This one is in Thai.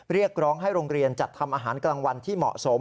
เรียกร้องให้โรงเรียนจัดทำอาหารกลางวันที่เหมาะสม